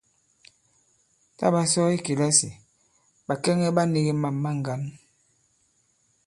Tǎ ɓa sɔ i kìlasì, ɓàkɛŋɛ ɓa nīgī mâm ma ŋgǎn.